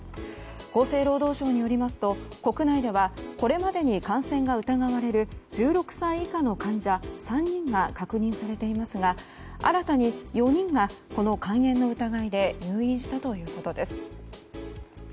厚生労働省によりますと国内ではこれまでに感染が疑われる１６歳以下の患者３人が確認されていますが新たに４人がこの肝炎の疑いで入院したということです。